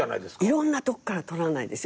いろんなとこから撮らないですよ。